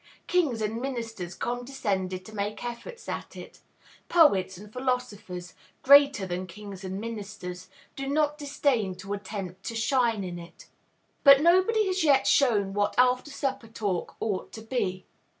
Kings and ministers condescend to make efforts at it; poets and philosophers greater than kings and ministers do not disdain to attempt to shine in it. But nobody has yet shown what "after supper talk" ought to be.